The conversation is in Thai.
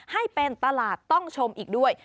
ให้เป็นตลาดต้องชมอีกด้วย